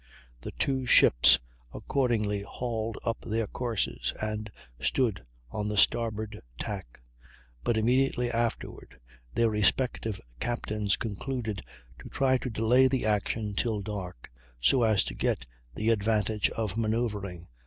The two ships accordingly hauled up their courses and stood on the starboard tack; but immediately afterward their respective captains concluded to try to delay the action till dark, so as to get the advantage of manoeuvring.